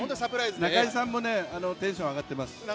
中居さんもテンション上がってます。